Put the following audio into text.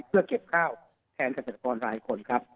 เพื่อเก็บข้าวแทนเกษตรกรหลายคนครับ